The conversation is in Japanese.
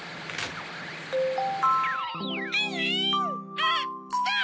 あっきた！